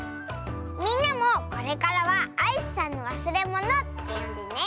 みんなもこれからは「アイスさんのわすれもの」ってよんでね！